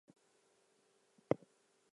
Alan has multiple sclerosis.